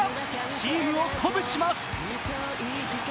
チームを鼓舞します。